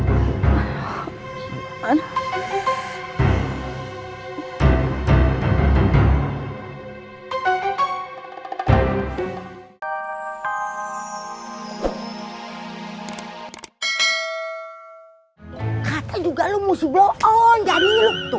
kata juga lo musuh belon jadi lo